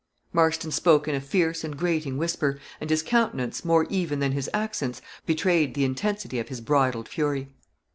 Marston spoke in a fierce and grating whisper, and his countenance, more even than his accents, betrayed the intensity of his bridled fury.